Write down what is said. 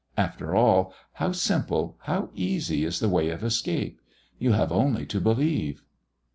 After all, how simple, how easy is the way of escape! You have only to believe."